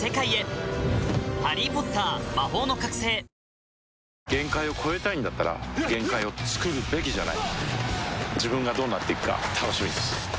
うまダブルなんで限界を越えたいんだったら限界をつくるべきじゃない自分がどうなっていくか楽しみです